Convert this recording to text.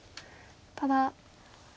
ただ。